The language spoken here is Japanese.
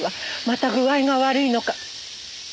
また具合が悪いのか。